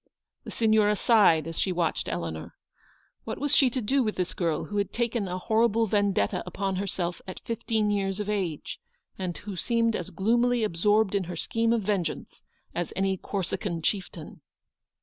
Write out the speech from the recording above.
The Signora sighed as she watched Eleanor. What was she to do with this girl, who had taken LOOKINOr TO THE FUTURE. ISO a horrible vendetta upon herself at fifteen years of age, and who seemed as gloomily absorbed in her scheme of vengeance as any Corsican chieftain